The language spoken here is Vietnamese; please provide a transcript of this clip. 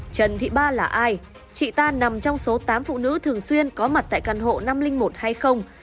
trần thị ba là ai chị ta nằm trong số tám phụ nữ thường xuyên có mặt tại căn hộ năm trăm linh một hay không